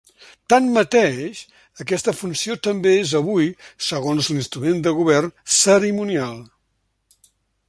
Tanmateix, aquesta funció també és avui, segons l'instrument de govern, cerimonial.